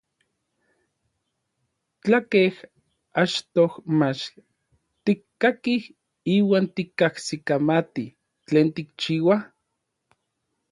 Tlakej achtoj mach tikkakij iuan tikajsikamati tlen kichiua?